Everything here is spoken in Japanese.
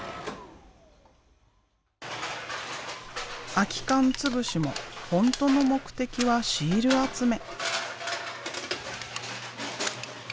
空き缶つぶしも本当の目的はシール集め。